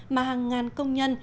mà hàng ngàn công nhân